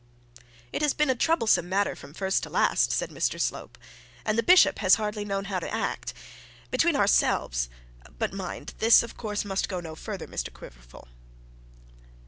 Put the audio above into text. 'It has been a troublesome matter from first to last,' said Mr Slope; 'and the bishop has hardly known how to act. Between ourselves but mind this of course must go no farther, Mr Quiverful.'